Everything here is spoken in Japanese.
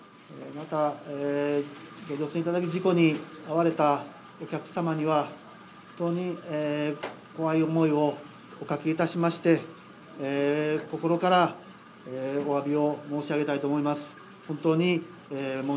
また、ご乗船いただき、事故に遭われたお客様には、本当に怖い思いをおかけいたしまして、心からおわびを申し上げたいと思います。